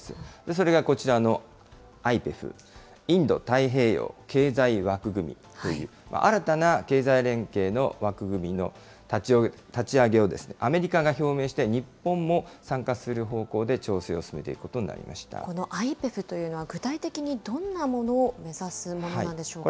それがこちらのＩＰＥＦ・インド太平洋経済枠組みという、新たな経済連携の枠組みの立ち上げを、アメリカが表明して、日本も参加する方向で調整を進めていくことこのＩＰＥＦというのは、具体的にどんなものを目指すものなんでしょうか。